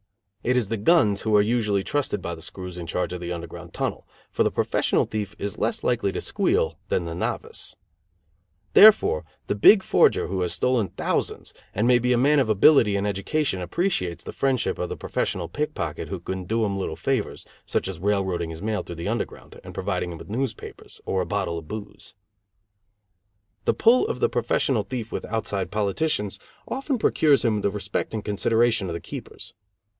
It is the guns who are usually trusted by the screws in charge of the Underground Tunnel, for the professional thief is less likely to squeal than the novice. Therefore, the big forger who has stolen thousands, and may be a man of ability and education appreciates the friendship of the professional pickpocket who can do him little favors, such as railroading his mail through the Underground, and providing him with newspapers, or a bottle of booze. The pull of the professional thief with outside politicians often procures him the respect and consideration of the keepers.